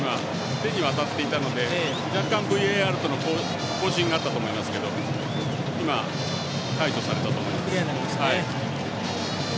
手に当たっていたので若干、ＶＡＲとの交信があったと思いますが今、解除されたと思います。